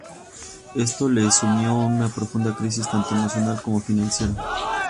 Esto le sumió en una profunda crisis, tanto emocional como financiera.